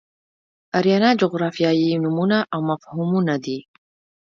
آریانا جغرافیایي نومونه او مفهومونه دي.